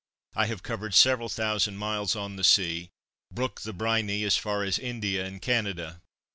I have covered several thousand miles on the sea, "brooked the briny" as far as India and Canada.